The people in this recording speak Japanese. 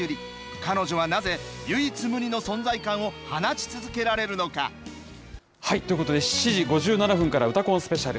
彼女はなぜ唯一無二の存在感を放ということで７時５７分からうたコンスペシャル。